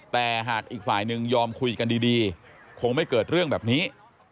แต่หากอีกฝ่ายหนึ่งยอมคุยกันดีคงไม่เกิดเรื่องแบบนี้